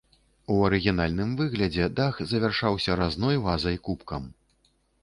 У арыгінальным выглядзе дах завяршаўся разной вазай-кубкам.